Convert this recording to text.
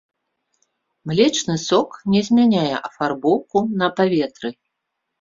Млечны сок не змяняе афарбоўку на паветры.